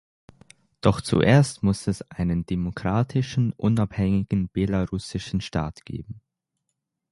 Doch zuerst muss es einen demokratischen, unabhängigen belarussischen Staat geben.